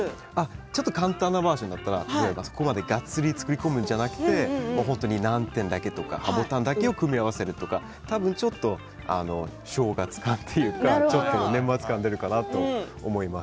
ちょっと簡単なバージョンだったらそこまで、がっつり作り込むんじゃなくてナンテンやハボタンだけを組み合わせるとかちょっと正月感というか年末感が出るかなと思います。